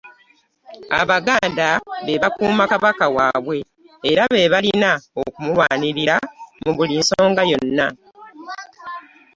Abaganda be bakuuma Kabaka waabwe era be balina okumulwanirira mu buli nsonga yonna.